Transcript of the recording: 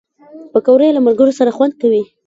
پکورې له ملګرو سره خوند کوي